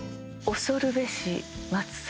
恐るべし松阪